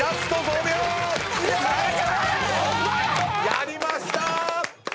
やりました！